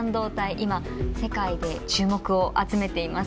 今世界で注目を集めています。